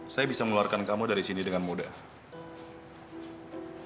saya bisa meluarkan kamu dari sini dengan mudah